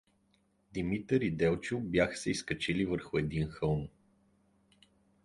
Димитър и Делчо бяха се изкачили върху един хълм.